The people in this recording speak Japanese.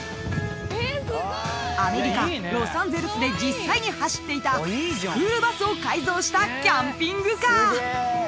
［アメリカロサンゼルスで実際に走っていたスクールバスを改造したキャンピングカー］